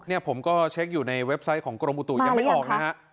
ผมก็เช็คอยู่ในเว็บไซต์ของกรมอุตุยังไม่ออกนะฮะ